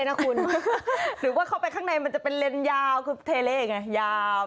นะคุณหรือว่าเข้าไปข้างในมันจะเป็นเลนสยาวคือเทเล่ไงยาว